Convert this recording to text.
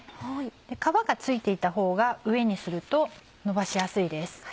皮が付いていたほうが上にするとのばしやすいです。